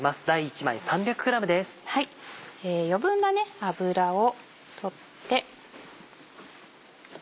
余分な脂を取って。